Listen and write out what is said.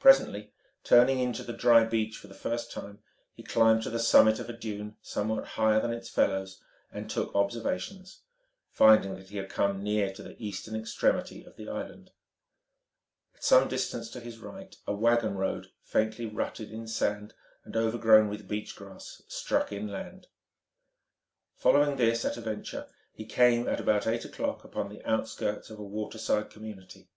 Presently, turning in to the dry beach for the first time, he climbed to the summit of a dune somewhat higher than its fellows, and took observations, finding that he had come near to the eastern extremity of the island. At some distance to his right a wagon road, faintly rutted in sand and overgrown with beach grass, struck inland. Following this at a venture, he came, at about eight o'clock, upon the outskirts of a waterside community.